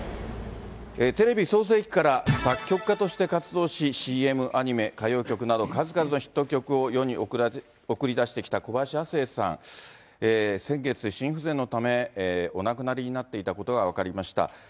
テレビ創成期から作曲家として活躍し、ＣＭ、アニメ、歌謡曲など、数々のヒット曲を世に送り出してきた小林亜星さん、先月、心不全のため、お亡くなりになっていたことが分かりました。